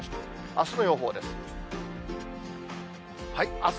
あすの予報です。